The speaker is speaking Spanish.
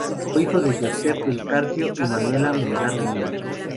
Fue hijo de Josef del Carpio y Manuela Melgar Domínguez.